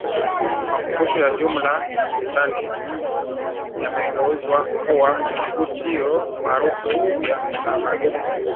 Makumbusho ya Jumba la Sultani yamegeuzwa kuwa vivutio maarufu vya kitamaduni